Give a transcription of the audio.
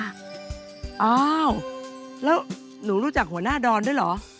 อ้าวแล้วหนูรู้จักหัวหน้าดอนด้วยเหรอ